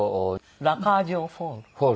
『ラ・カージュ・オ・フォール』。